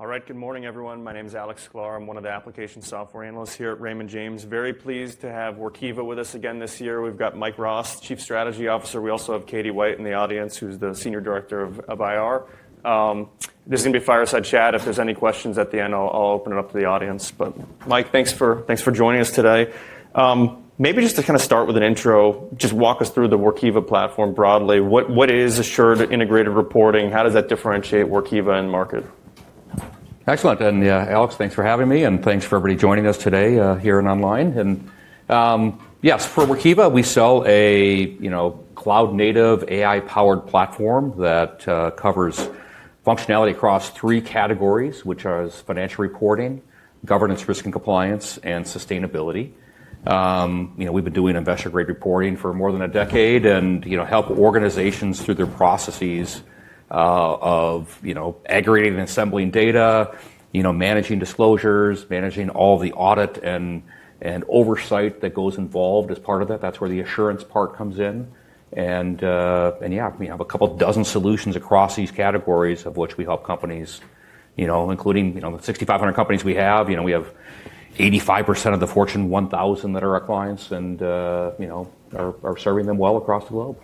All right, good morning, everyone. My name is Alex Sklar. I'm one of the application software analysts here at Raymond James. Very pleased to have Workiva with us again this year. We've got Mike Rost, Chief Strategy Officer. We also have Katie White in the audience, who's the Senior Director of IR. This is going to be a fireside chat. If there's any questions at the end, I'll open it up to the audience. But Mike, thanks for joining us today. Maybe just to kind of start with an intro, just walk us through the Workiva platform broadly. What is assured integrated reporting? How does that differentiate Workiva and market? Excellent, and Alex, thanks for having me, and thanks for everybody joining us today here and online, and yes, for Workiva, we sell a cloud-native AI-powered platform that covers functionality across three categories, which are financial reporting, governance, risk and compliance, and sustainability. We've been doing investor-grade reporting for more than a decade and help organizations through their processes of aggregating and assembling data, managing disclosures, managing all the audit and oversight that goes involved as part of that. That's where the assurance part comes in, and yeah, we have a couple dozen solutions across these categories, of which we help companies, including the 6,500 companies we have. We have 85% of the Fortune 1000 that are our clients and are serving them well across the globe.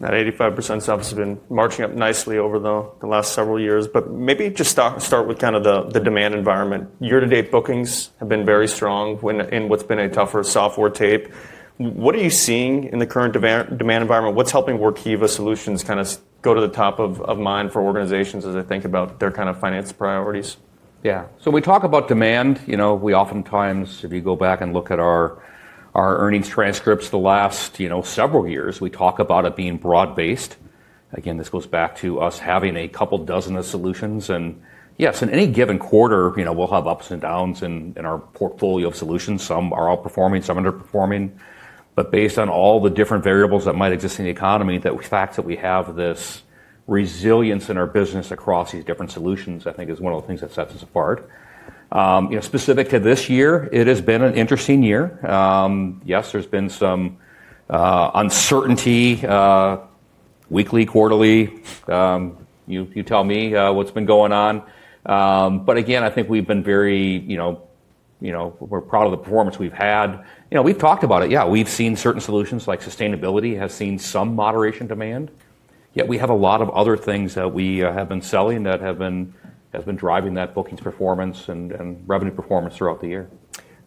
That 85% stuff has been marching up nicely over the last several years. But maybe just start with kind of the demand environment. Year-to-date bookings have been very strong in what's been a tougher software tape. What are you seeing in the current demand environment? What's helping Workiva solutions kind of go to the top of mind for organizations as they think about their kind of finance priorities? Yeah, so we talk about demand. We oftentimes, if you go back and look at our earnings transcripts the last several years, we talk about it being broad-based. Again, this goes back to us having a couple dozen of solutions, and yes, in any given quarter, we'll have ups and downs in our portfolio of solutions. Some are outperforming, some are underperforming, but based on all the different variables that might exist in the economy, the fact that we have this resilience in our business across these different solutions, I think, is one of the things that sets us apart. Specific to this year, it has been an interesting year. Yes, there's been some uncertainty, weekly, quarterly. You tell me what's been going on, but again, I think we've been very proud of the performance we've had. We've talked about it. Yeah, we've seen certain solutions like sustainability have seen some moderation in demand. Yet we have a lot of other things that we have been selling that have been driving that bookings performance and revenue performance throughout the year.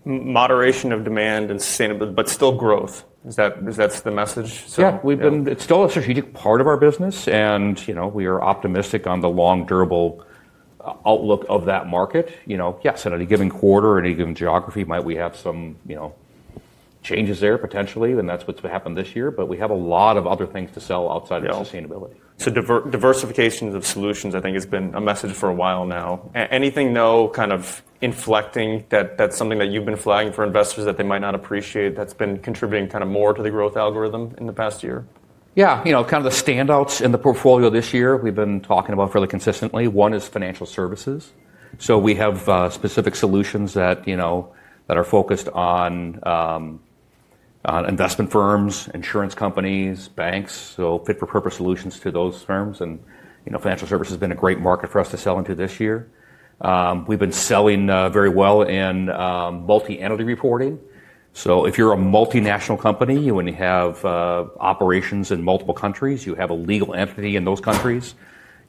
Moderation of demand and sustainability, but still growth. Is that the message? Yeah. It's still a strategic part of our business. And we are optimistic on the long, durable outlook of that market. Yes, in any given quarter, in any given geography, might we have some changes there potentially. And that's what's happened this year. But we have a lot of other things to sell outside of sustainability. Diversification of solutions, I think, has been a message for a while now. Anything kind of inflecting that something that you've been flagging for investors that they might not appreciate that's been contributing kind of more to the growth algorithm in the past year? Yeah. Kind of the standouts in the portfolio this year we've been talking about fairly consistently. One is financial services. So we have specific solutions that are focused on investment firms, insurance companies, banks. So fit-for-purpose solutions to those firms. And financial services has been a great market for us to sell into this year. We've been selling very well in multi-entity reporting. So if you're a multinational company, when you have operations in multiple countries, you have a legal entity in those countries,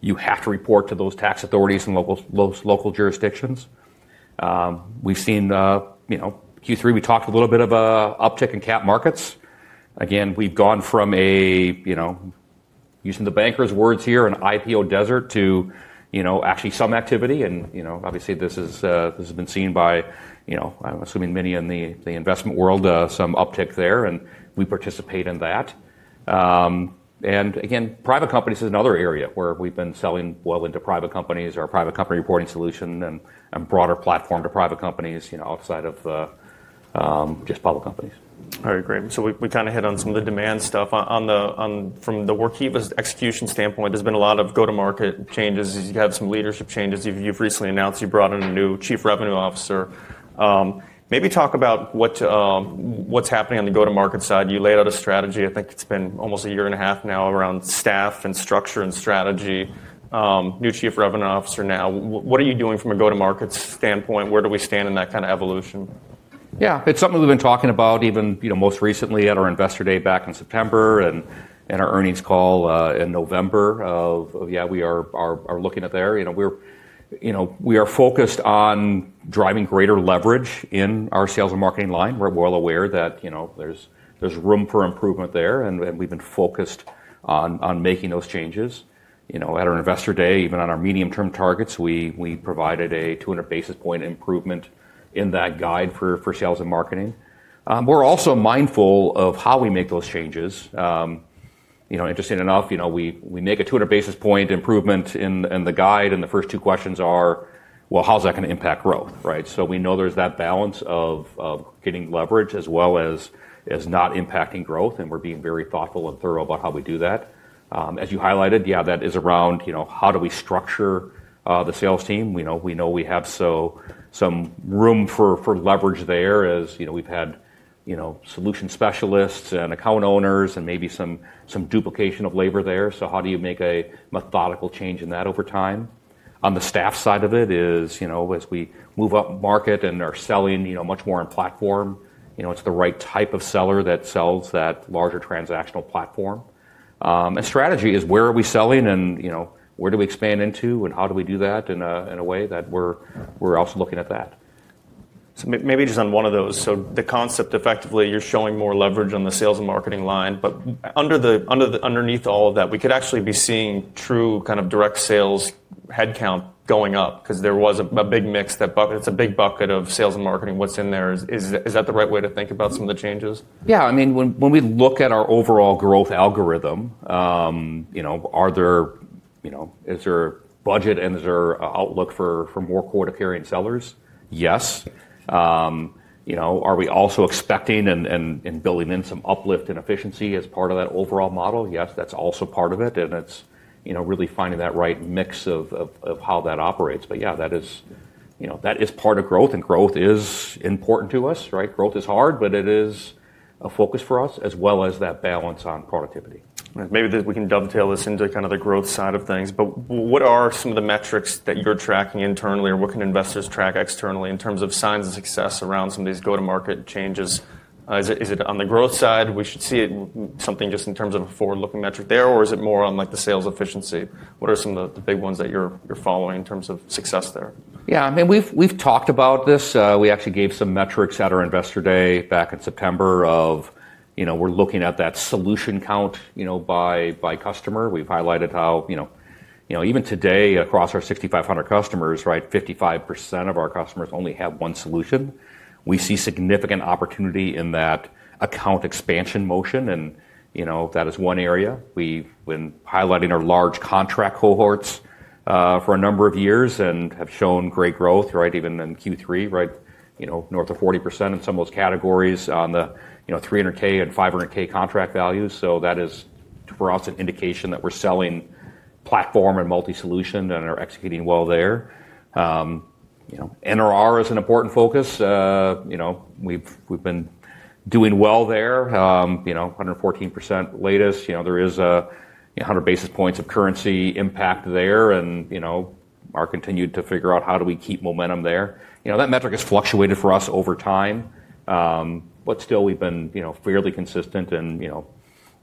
you have to report to those tax authorities in local jurisdictions. We've seen Q3, we talked a little bit of an uptick in cap markets. Again, we've gone from, using the bankers' words here, an IPO desert to actually some activity. And obviously, this has been seen by, I'm assuming, many in the investment world, some uptick there. And we participate in that. Again, private companies is another area where we've been selling well into private companies, our private company reporting solution, and broader platform to private companies outside of just public companies. All right, great. So we kind of hit on some of the demand stuff. From the Workiva execution standpoint, there's been a lot of go-to-market changes. You've had some leadership changes. You've recently announced you brought in a new Chief Revenue Officer. Maybe talk about what's happening on the go-to-market side. You laid out a strategy. I think it's been almost a year and a half now around staff and structure and strategy. New Chief Revenue Officer now. What are you doing from a go-to-market standpoint? Where do we stand in that kind of evolution? Yeah. It's something we've been talking about even most recently at our investor day back in September and our earnings call in November. Yeah, we are looking at there. We are focused on driving greater leverage in our sales and marketing line. We're well aware that there's room for improvement there. And we've been focused on making those changes. At our investor day, even on our medium-term targets, we provided a 200 basis point improvement in that guide for sales and marketing. We're also mindful of how we make those changes. Interesting enough, we make a 200 basis point improvement in the guide. And the first two questions are, well, how is that going to impact growth? So we know there's that balance of getting leverage as well as not impacting growth. And we're being very thoughtful and thorough about how we do that. As you highlighted, yeah, that is around how do we structure the sales team. We know we have some room for leverage there as we've had solution specialists and account owners and maybe some duplication of labor there, so how do you make a methodical change in that over time? On the staff side of it is, as we move up market and are selling much more on platform, it's the right type of seller that sells that larger transactional platform, and strategy is where are we selling and where do we expand into and how do we do that in a way that we're also looking at that. So maybe just on one of those. So the concept, effectively, you're showing more leverage on the sales and marketing line. But underneath all of that, we could actually be seeing true kind of direct sales headcount going up because there was a big mix. It's a big bucket of sales and marketing. What's in there? Is that the right way to think about some of the changes? Yeah. I mean, when we look at our overall growth algorithm, is there budget and is there an outlook for more quota-carrying sellers? Yes. Are we also expecting and building in some uplift and efficiency as part of that overall model? Yes, that's also part of it. And it's really finding that right mix of how that operates. But yeah, that is part of growth. And growth is important to us. Growth is hard, but it is a focus for us as well as that balance on productivity. Maybe we can dovetail this into kind of the growth side of things. But what are some of the metrics that you're tracking internally or what can investors track externally in terms of signs of success around some of these go-to-market changes? Is it on the growth side? We should see something just in terms of a forward-looking metric there, or is it more on the sales efficiency? What are some of the big ones that you're following in terms of success there? Yeah. I mean, we've talked about this. We actually gave some metrics at our investor day back in September of we're looking at that solution count by customer. We've highlighted how even today, across our 6,500 customers, 55% of our customers only have one solution. We see significant opportunity in that account expansion motion. And that is one area. We've been highlighting our large contract cohorts for a number of years and have shown great growth, even in Q3, north of 40% in some of those categories on the $300K and $500K contract values. So that is for us an indication that we're selling platform and multi-solution and are executing well there. NRR is an important focus. We've been doing well there, 114% latest. There is 100 basis points of currency impact there. And Mark continued to figure out how do we keep momentum there. That metric has fluctuated for us over time. But still, we've been fairly consistent in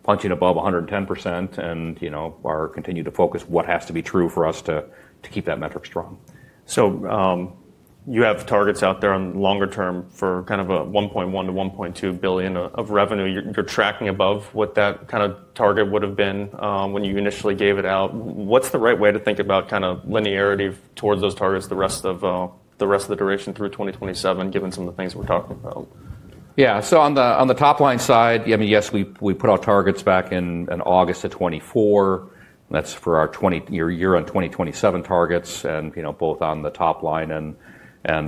punching above 110%. And Mark continued to focus what has to be true for us to keep that metric strong. So you have targets out there on longer term for kind of a $1.1 billion-$1.2 billion of revenue. You're tracking above what that kind of target would have been when you initially gave it out. What's the right way to think about kind of linearity towards those targets the rest of the duration through 2027, given some of the things we're talking about? Yeah. So on the top line side, I mean, yes, we put out targets back in August of 2024. That's for our year-end 2027 targets, both on the top line and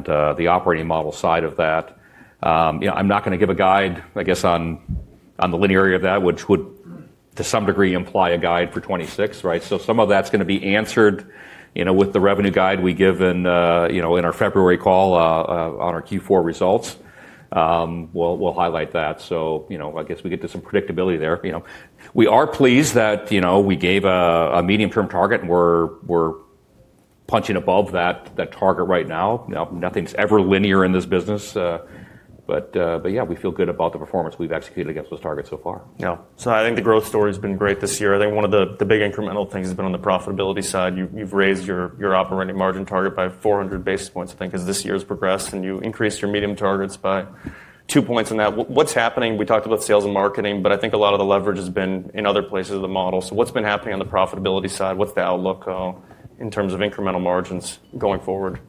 the operating model side of that. I'm not going to give a guide, I guess, on the linearity of that, which would to some degree imply a guide for 2026. So some of that's going to be answered with the revenue guide we give in our February call on our Q4 results. We'll highlight that. So I guess we get to some predictability there. We are pleased that we gave a medium-term target. We're punching above that target right now. Nothing's ever linear in this business. But yeah, we feel good about the performance we've executed against those targets so far. Yeah. So I think the growth story has been great this year. I think one of the big incremental things has been on the profitability side. You've raised your operating margin target by 400 basis points, I think, as this year has progressed. And you increased your medium-term targets by two points on that. What's happening? We talked about sales and marketing. But I think a lot of the leverage has been in other places of the model. So what's been happening on the profitability side? What's the outlook in terms of incremental margins going forward?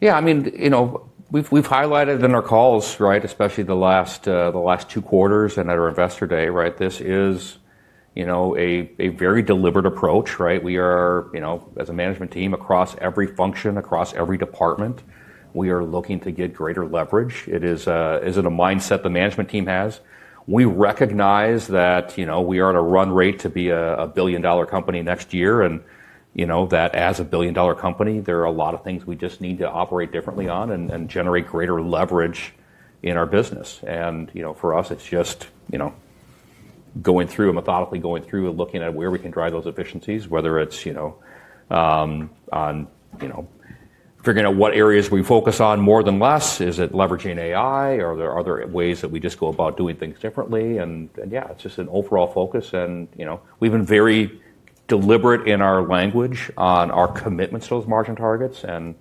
Yeah. I mean, we've highlighted in our calls, especially the last two quarters and at our investor day, this is a very deliberate approach. As a management team across every function, across every department, we are looking to get greater leverage. It isn't a mindset the management team has. We recognize that we are at a run rate to be a billion-dollar company next year. And that as a billion-dollar company, there are a lot of things we just need to operate differently on and generate greater leverage in our business. And for us, it's just going through and methodically going through and looking at where we can drive those efficiencies, whether it's on figuring out what areas we focus on more than less. Is it leveraging AI? Are there ways that we just go about doing things differently? And yeah, it's just an overall focus. And we've been very deliberate in our language on our commitments to those margin targets. And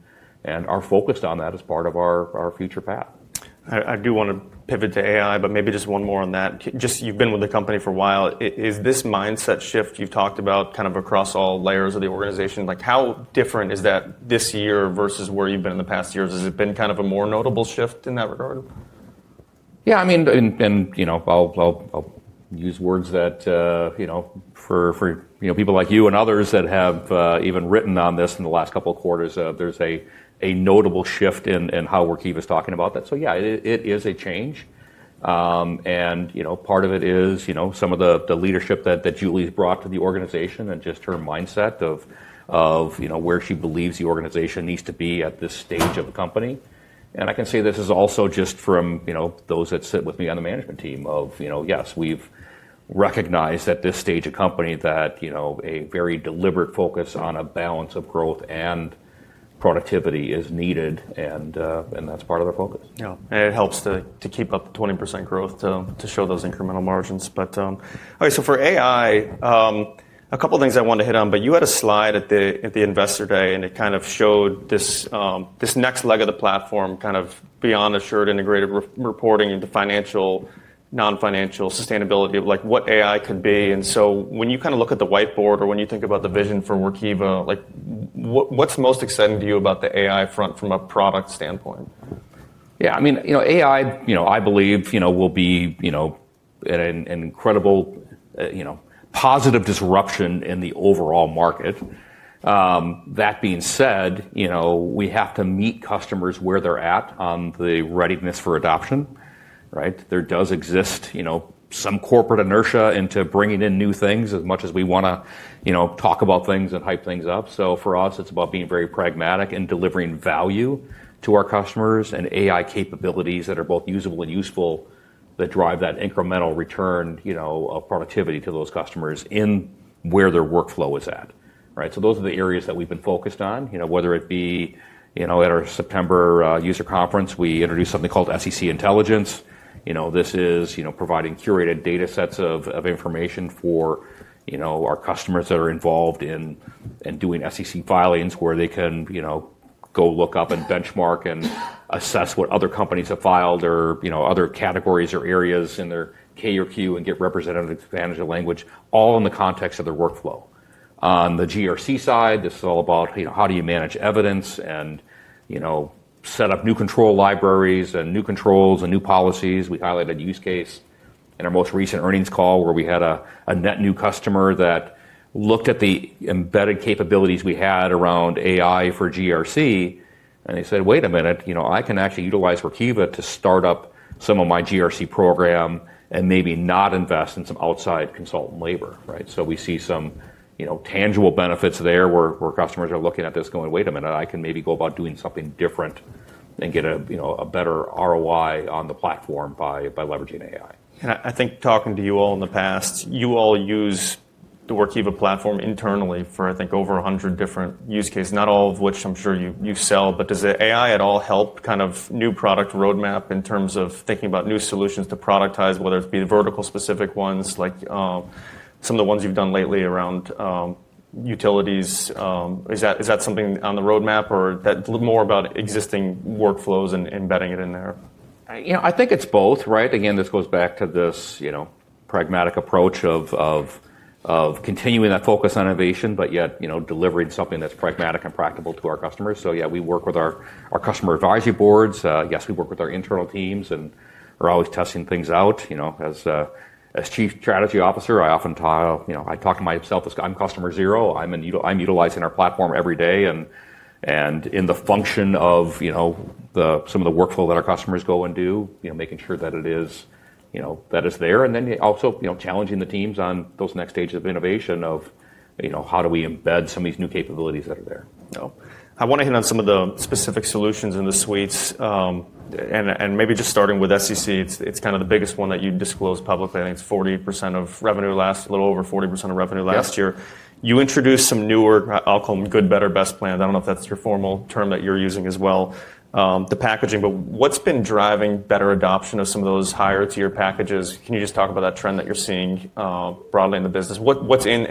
our focus on that is part of our future path. I do want to pivot to AI, but maybe just one more on that. Just you've been with the company for a while. Is this mindset shift you've talked about kind of across all layers of the organization, how different is that this year versus where you've been in the past years? Has it been kind of a more notable shift in that regard? Yeah. I mean, and I'll use words that, for people like you and others that have even written on this in the last couple of quarters, there's a notable shift in how Workiva is talking about that. So yeah, it is a change, and part of it is some of the leadership that Julie's brought to the organization and just her mindset of where she believes the organization needs to be at this stage of the company. And I can say this is also just from those that sit with me on the management team of, yes, we've recognized at this stage of company that a very deliberate focus on a balance of growth and productivity is needed, and that's part of their focus. Yeah, and it helps to keep up 20% growth to show those incremental margins, but all right, so for AI, a couple of things I want to hit on, but you had a slide at the investor day, and it kind of showed this next leg of the platform kind of beyond assured integrated reporting into financial, non-financial sustainability of what AI could be, and so when you kind of look at the whiteboard or when you think about the vision for Workiva, what's most exciting to you about the AI front from a product standpoint? Yeah. I mean, AI, I believe, will be an incredible positive disruption in the overall market. That being said, we have to meet customers where they're at on the readiness for adoption. There does exist some corporate inertia into bringing in new things as much as we want to talk about things and hype things up. So for us, it's about being very pragmatic and delivering value to our customers and AI capabilities that are both usable and useful that drive that incremental return of productivity to those customers in where their workflow is at. So those are the areas that we've been focused on, whether it be at our September user conference, we introduced something called SEC Intelligence. This is providing curated data sets of information for our customers that are involved in doing SEC filings where they can go look up and benchmark and assess what other companies have filed or other categories or areas in their K or Q and get representative expanded language, all in the context of their workflow. On the GRC side, this is all about how do you manage evidence and set up new control libraries and new controls and new policies. We highlighted a use case in our most recent earnings call where we had a net new customer that looked at the embedded capabilities we had around AI for GRC, and they said, wait a minute, I can actually utilize Workiva to start up some of my GRC program and maybe not invest in some outside consultant labor. So we see some tangible benefits there where customers are looking at this going, wait a minute, I can maybe go about doing something different and get a better ROI on the platform by leveraging AI. And I think, talking to you all in the past, you all use the Workiva platform internally for, I think, over 100 different use cases, not all of which I'm sure you sell. But does the AI at all help kind of new product roadmap in terms of thinking about new solutions to productize, whether it be the vertical-specific ones, like some of the ones you've done lately around utilities? Is that something on the roadmap or that's a little more about existing workflows and embedding it in there? I think it's both. Again, this goes back to this pragmatic approach of continuing that focus on innovation, but yet delivering something that's pragmatic and practical to our customers. So yeah, we work with our customer advisory boards. Yes, we work with our internal teams and are always testing things out. As Chief Strategy Officer, I often talk to myself as I'm customer zero. I'm utilizing our platform every day and in the function of some of the workflow that our customers go and do, making sure that it is there. And then also challenging the teams on those next stages of innovation of how do we embed some of these new capabilities that are there. I want to hit on some of the specific solutions in the suites, and maybe just starting with SEC. It's kind of the biggest one that you disclosed publicly. I think it's a little over 40% of revenue last year. You introduced some newer. I'll call them good, better, best plans. I don't know if that's your formal term that you're using as well, the packaging. But what's been driving better adoption of some of those higher-tier packages? Can you just talk about that trend that you're seeing broadly in the business? What's in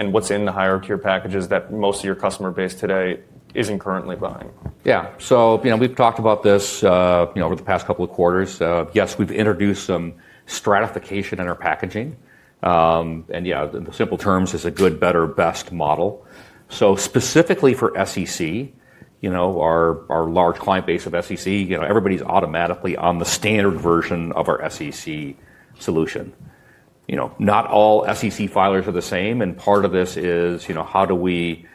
the higher-tier packages that most of your customer base today isn't currently buying? Yeah. So we've talked about this over the past couple of quarters. Yes, we've introduced some stratification in our packaging. And yeah, in simple terms, it's a good, better, best model. So specifically for SEC, our large client base of SEC, everybody's automatically on the Standard version of our SEC solution. Not all SEC filers are the same. And part of this is how do we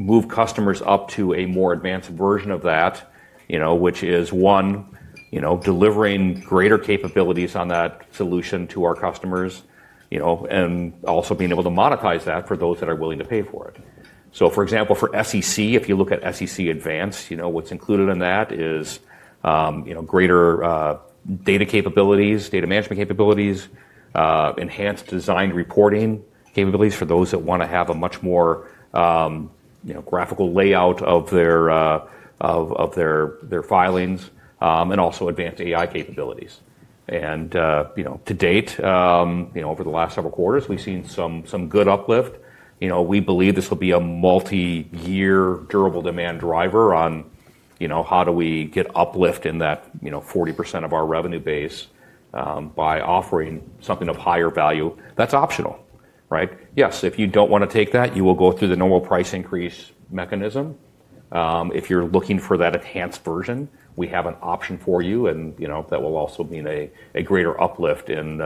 move customers up to a more Advanced version of that, which is, one, delivering greater capabilities on that solution to our customers and also being able to monetize that for those that are willing to pay for it. So for example, for SEC, if you look at SEC Advanced, what's included in that is greater data capabilities, data management capabilities, enhanced design reporting capabilities for those that want to have a much more graphical layout of their filings, and also Advanced AI capabilities. And to date, over the last several quarters, we've seen some good uplift. We believe this will be a multi-year durable demand driver on how do we get uplift in that 40% of our revenue base by offering something of higher value. That's optional. Yes, if you don't want to take that, you will go through the normal price increase mechanism. If you're looking for that enhanced version, we have an option for you. And that will also mean a greater uplift in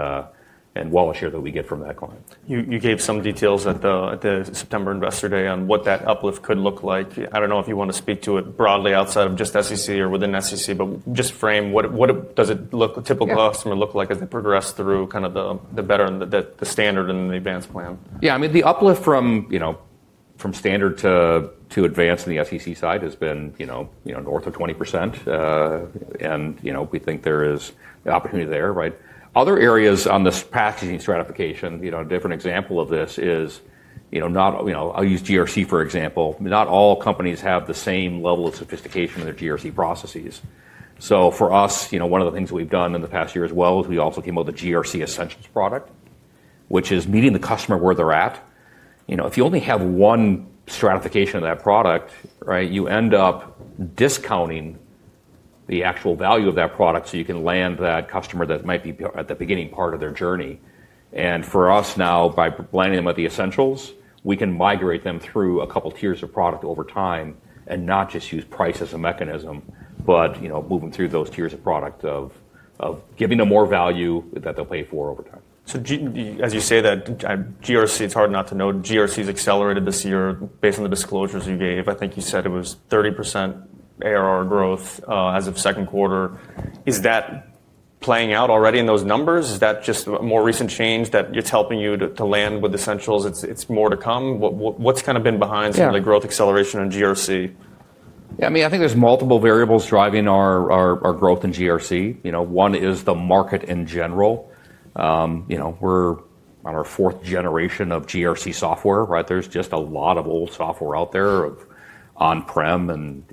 wallet share that we get from that client. You gave some details at the September investor day on what that uplift could look like. I don't know if you want to speak to it broadly outside of just SEC or within SEC, but just frame what does a typical customer look like as they progress through kind of the better and the Standard and the Advanced plan? Yeah. I mean, the uplift from Standard to Advanced on the SEC side has been north of 20%, and we think there is opportunity there. Other areas on this packaging stratification. A different example of this is, I'll use GRC, for example. Not all companies have the same level of sophisticate in their GRC processes. So for us, one of the things that we've done in the past year as well is we also came out with a GRC Essentials product, which is meeting the customer where they're at. If you only have one stratification of that product, you end up discounting the actual value of that product so you can land that customer that might be at the beginning part of their journey. And for us now, by landing them with the essentials, we can migrate them through a couple of tiers of product over time and not just use price as a mechanism, but moving through those tiers of product of giving them more value that they'll pay for over time. So, as you say that, GRC, it's hard not to note GRC's accelerated this year based on the disclosures you gave. I think you said it was 30% ARR growth as of second quarter. Is that playing out already in those numbers? Is that just a more recent change that it's helping you to land with essentials? It's more to come. What's kind of been behind some of the growth acceleration in GRC? Yeah. I mean, I think there's multiple variables driving our growth in GRC. One is the market in general. We're on our fourth generation of GRC software. There's just a lot of old software out there on-prem. And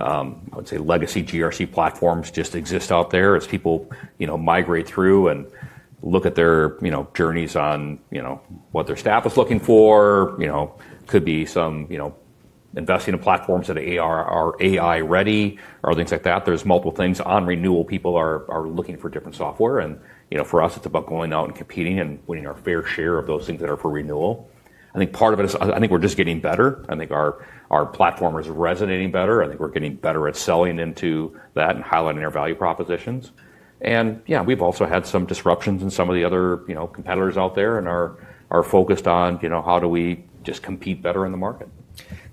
I would say legacy GRC platforms just exist out there as people migrate through and look at their journeys on what their staff is looking for. It could be some investing in platforms that are AI ready or things like that. There's multiple things. On renewal, people are looking for different software. And for us, it's about going out and competing and winning our fair share of those things that are for renewal. I think part of it is I think we're just getting better. I think our platform is resonating better. I think we're getting better at selling into that and highlighting our value propositions. Yeah, we've also had some disruptions in some of the other competitors out there and are focused on how do we just compete better in the market.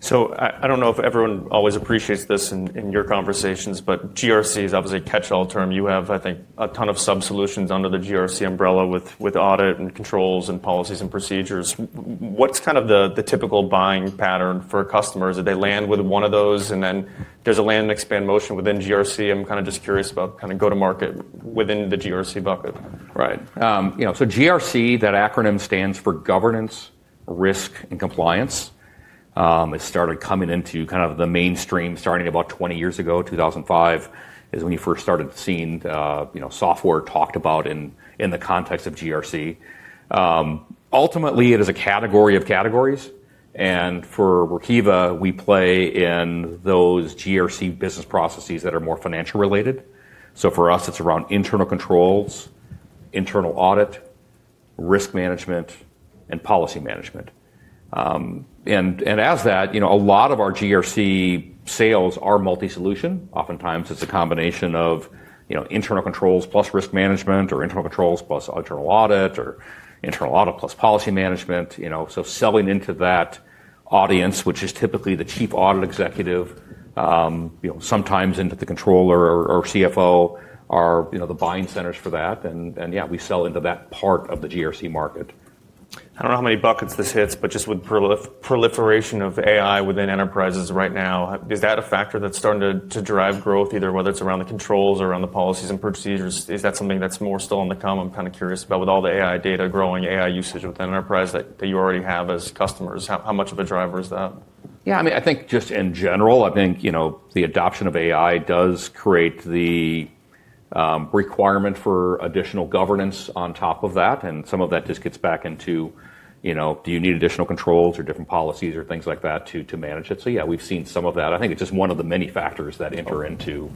So I don't know if everyone always appreciates this in your conversations, but GRC is obviously a catch-all term. You have, I think, a ton of sub-solutions under the GRC umbrella with audit and controls and policies and procedures. What's kind of the typical buying pattern for customers? Do they land with one of those and then there's a land and expand motion within GRC? I'm kind of just curious about kind of go-to-market within the GRC bucket. Right. So GRC, that acronym stands for Governance, Risk, and Compliance. It started coming into kind of the mainstream starting about 20 years ago, 2005, is when you first started seeing software talked about in the context of GRC. Ultimately, it is a category of categories. And for Workiva, we play in those GRC business processes that are more financial related. So for us, it's around internal controls, internal audit, risk management, and policy management. And as that, a lot of our GRC sales are multi-solution. Oftentimes, it's a combination of internal controls plus risk management or internal controls plus internal audit or internal audit plus policy management. So selling into that audience, which is typically the Chief Audit Executive, sometimes into the Controller or CFO are the buying centers for that. And yeah, we sell into that part of the GRC market. I don't know how many buckets this hits, but just with prolif proliferation of AI within enterprises right now, is that a factor that's starting to drive growth, either whether it's around the controls or around the policies and procedures? Is that something that's more still on the come? I'm kind of curious about with all the AI data growing, AI usage within enterprise that you already have as customers. How much of a driver is that? Yeah. I mean, I think just in general, I think the adoption of AI does create the requirement for additional governance on top of that. And some of that just gets back into, do you need additional controls or different policies or things like that to manage it? So yeah, we've seen some of that. I think it's just one of the many factors that enter into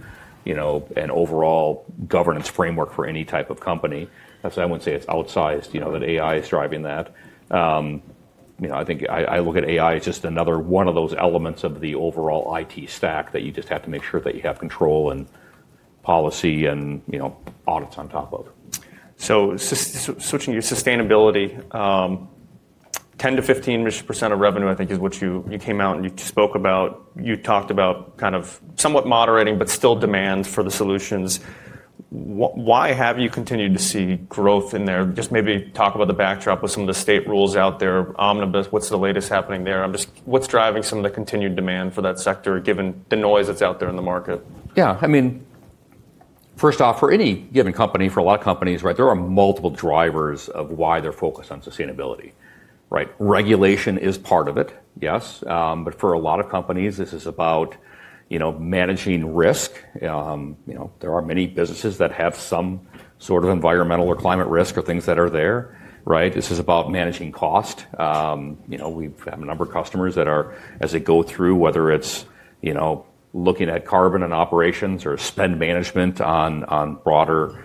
an overall governance framework for any type of company. I wouldn't say it's outsized that AI is driving that. I think I look at AI as just another one of those elements of the overall IT stack that you just have to make sure that you have control and policy and audits on top of. Switching to your sustainability, 10%-15% of revenue, I think, is what you came out and you spoke about. You talked about kind of somewhat moderating, but still demand for the solutions. Why have you continued to see growth in there? Just maybe talk about the backdrop with some of the state rules out there, omnibus. What's the latest happening there? What's driving some of the continued demand for that sector given the noise that's out there in the market? Yeah. I mean, first off, for any given company, for a lot of companies, there are multiple drivers of why they're focused on sustainability. Regulation is part of it, yes. But for a lot of companies, this is about managing risk. There are many businesses that have some sort of environmental or climate risk or things that are there. This is about managing cost. We've had a number of customers that are, as they go through, whether it's looking at carbon and operations or spend management on broader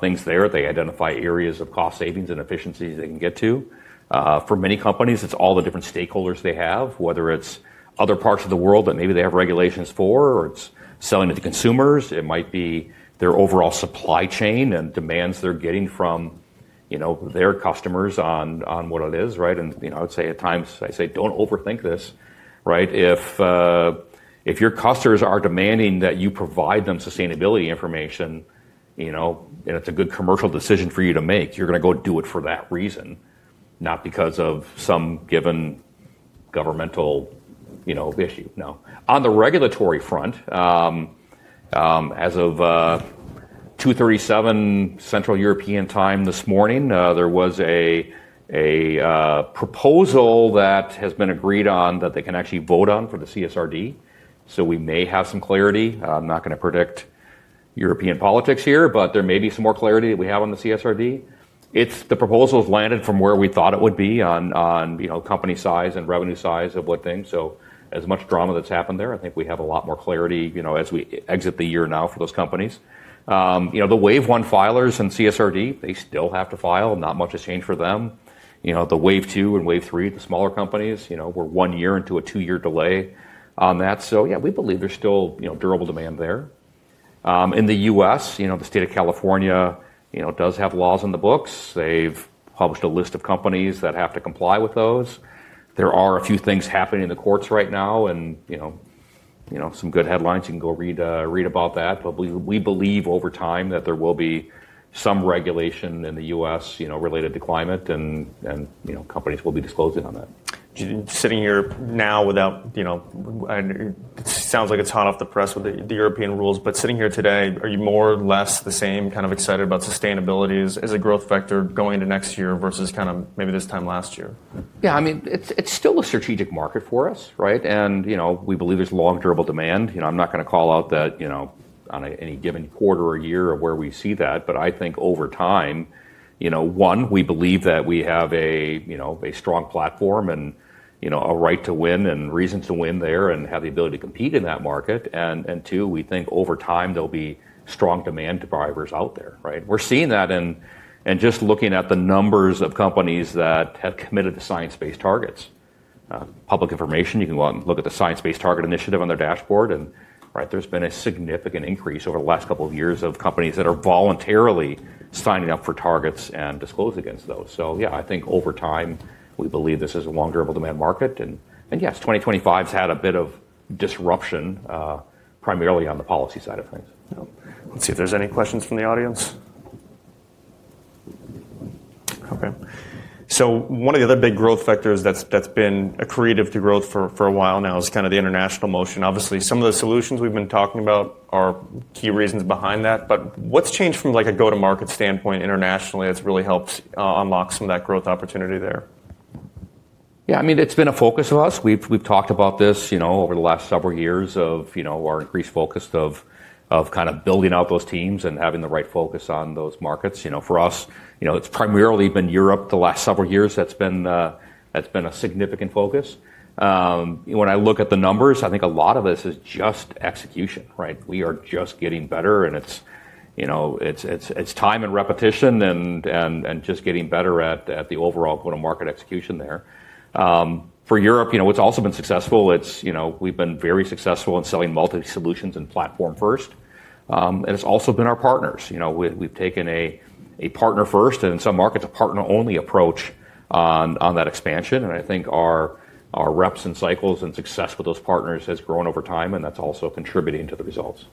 things there, they identify areas of cost savings and efficiencies they can get to. For many companies, it's all the different stakeholders they have, whether it's other parts of the world that maybe they have regulations for or it's selling to the consumers. It might be their overall supply chain and demands they're getting from their customers on what it is. I would say at times, I say, don't overthink this. If your customers are demanding that you provide them sustainability information and it's a good commercial decision for you to make, you're going to go do it for that reason, not because of some given governmental issue. Now, on the regulatory front, as of 2:37 A.M. Central European Time this morning, there was a proposal that has been agreed on that they can actually vote on for the CSRD. So we may have some clarity. I'm not going to predict European politics here, but there may be some more clarity that we have on the CSRD. The proposal has landed from where we thought it would be on company size and revenue size of what things. So as much drama that's happened there, I think we have a lot more clarity as we exit the year now for those companies. The Wave one filers and CSRD, they still have to file. Not much has changed for them. The Wave two and Wave three, the smaller companies, we're one year into a two-year delay on that. So yeah, we believe there's still durable demand there. In the U.S., the state of California does have laws on the books. They've published a list of companies that have to comply with those. There are a few things happening in the courts right now and some good headlines. You can go read about that. But we believe over time that there will be some regulation in the U.S. related to climate and companies will be disclosing on that. Sitting here now, it sounds like it's hot off the press with the European rules, but sitting here today, are you more or less the same kind of excited about sustainability as a growth factor going into next year versus kind of maybe this time last year? Yeah. I mean, it's still a strategic market for us. And we believe there's long durable demand. I'm not going to call out that on any given quarter or year of where we see that. But I think over time, one, we believe that we have a strong platform and a right to win and reason to win there and have the ability to compete in that market. And two, we think over time there'll be strong demand drivers out there. We're seeing that and just looking at the numbers of companies that have committed to science-based targets. Public information, you can go out and look at the Science Based Targets initiative on their dashboard. And there's been a significant increase over the last couple of years of companies that are voluntarily signing up for targets and disclosing against those. So yeah, I think over time, we believe this is a long durable demand market. And yes, 2025 has had a bit of disruption primarily on the policy side of things. Let's see if there's any questions from the audience? Okay. So one of the other big growth factors that's been a catalyst to growth for a while now is kind of the international motion. Obviously, some of the solutions we've been talking about are key reasons behind that. But what's changed from a go-to-market standpoint internationally that's really helped unlock some of that growth opportunity there? Yeah. I mean, it's been a focus of us. We've talked about this over the last several years of our increased focus of kind of building out those teams and having the right focus on those markets. For us, it's primarily been Europe the last several years that's been a significant focus. When I look at the numbers, I think a lot of this is just execution. We are just getting better. And it's time and repetition and just getting better at the overall go-to-market execution there. For Europe, what's also been successful, we've been very successful in selling multi-solutions and platform first. And it's also been our partners. We've taken a partner first and in some markets a partner-only approach on that expansion. And I think our reps and cycles and success with those partners has grown over time. And that's also contributing to the results.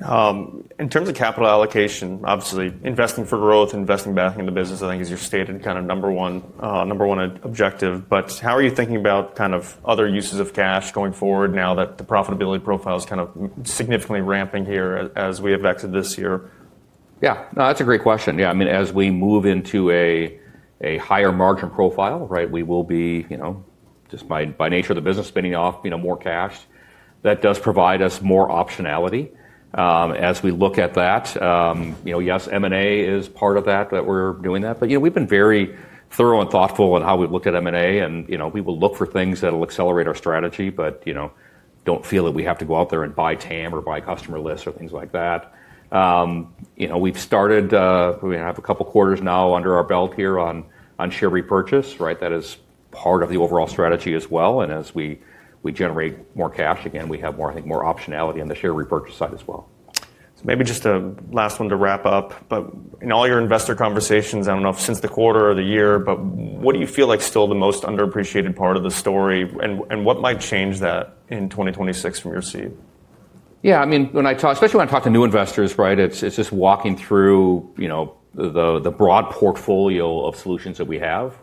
In terms of capital allocation, obviously, investing for growth, investing back into business, I think is your stated kind of number one objective. But how are you thinking about kind of other uses of cash going forward now that the profitability profile is kind of significantly ramping here as we have exited this year? Yeah. No, that's a great question. Yeah. I mean, as we move into a higher margin profile, we will be, just by nature of the business, spinning off more cash. That does provide us more optionality. As we look at that, yes, M&A is part of that, that we're doing that. But we've been very thorough and thoughtful in how we look at M&A. And we will look for things that will accelerate our strategy, but don't feel that we have to go out there and buy TAM or buy customer lists or things like that. We've started, we have a couple of quarters now under our belt here on share repurchase. That is part of the overall strategy as well. And as we generate more cash, again, we have more, I think, more optionality on the share repurchase side as well. So maybe just a last one to wrap up. But in all your investor conversations, I don't know if since the quarter or the year, but what do you feel like still the most underappreciated part of the story? And what might change that in 2026 from your seat? Yeah. I mean, especially when I talk to new investors, it's just walking through the broad portfolio of solutions that we have.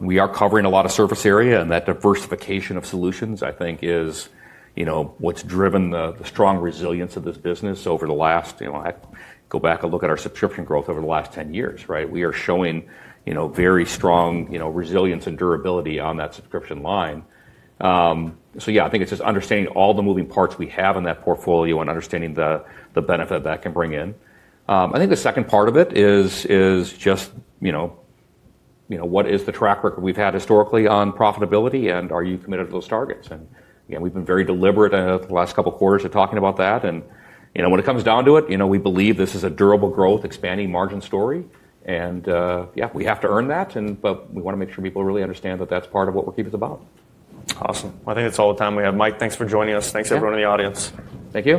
We are covering a lot of surface area. And that diversification of solutions, I think, is what's driven the strong resilience of this business over the last, go back and look at our subscription growth over the last 10 years. We are showing very strong resilience and durability on that subscription line. So yeah, I think it's just understanding all the moving parts we have in that portfolio and understanding the benefit that can bring in. I think the second part of it is just what is the track record we've had historically on profitability and are you committed to those targets? And we've been very deliberate in the last couple of quarters of talking about that. And when it comes down to it, we believe this is a durable growth, expanding margin story. And yeah, we have to earn that. But we want to make sure people really understand that that's part of what Workiva is about. Awesome. I think that's all the time we have. Mike, thanks for joining us. Thanks to everyone in the audience. Thank you.